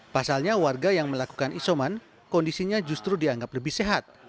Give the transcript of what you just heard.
pasalnya warga yang melakukan isoman kondisinya justru dianggap lebih sehat